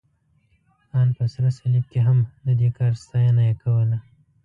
ان په سره صلیب کې هم، د دې کار ستاینه یې کوله.